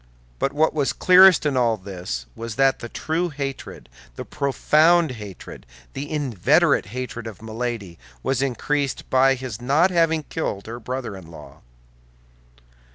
But what was clearest in all this was that the true hatred, the profound hatred, the inveterate hatred of Milady, was increased by his not having killed her brother in law.